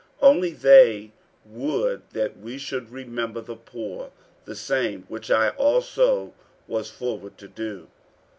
48:002:010 Only they would that we should remember the poor; the same which I also was forward to do.